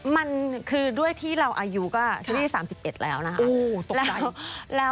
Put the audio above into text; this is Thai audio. มันคือด้วยที่เราอายุก็เชอรี่๓๑แล้วนะคะ